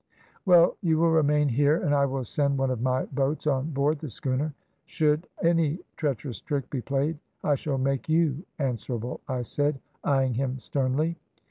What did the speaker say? "`Well, you will remain here, and I will send one of my boats on board the schooner. Should any treacherous trick be played, I shall make you answerable,' I said, eyeing him sternly.